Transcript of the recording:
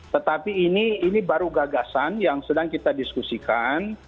tetapi ini baru gagasan yang sedang kita diskusikan